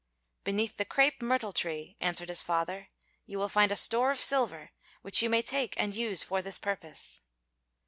"Beneath the crape myrtle tree," answered his father, "you will find a store of silver, which you may take and use for this purpose."